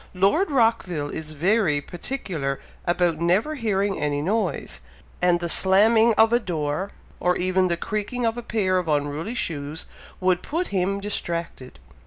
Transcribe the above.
"Lord Rockville is very particular about never hearing any noise, and the slamming of a door, or even the creaking of a pair of unruly shoes, would put him distracted."